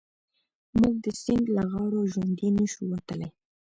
موږ د سيند له غاړو ژوندي نه شو وتلای.